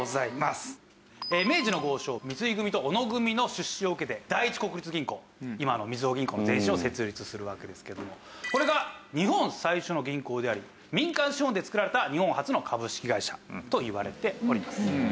明治の豪商三井組と小野組の出資を受けて第一国立銀行今のみずほ銀行の前身を設立するわけですけどもこれが日本最初の銀行であり民間資本で作られた日本初の株式会社といわれております。